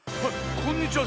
こんにちは